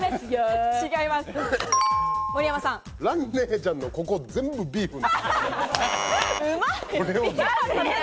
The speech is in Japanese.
蘭ねえちゃんのここ、全部ビーフン。